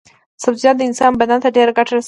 سبزيجات د انسان بدن ته ډېرې ګټې لري.